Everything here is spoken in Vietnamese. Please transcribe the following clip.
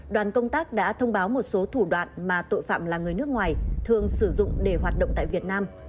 đoàn công tác đã thông báo một số thủ đoạn mà tội phạm là người nước ngoài thường sử dụng để hoạt động tại việt nam